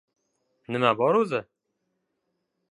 — Nima bor o‘zi?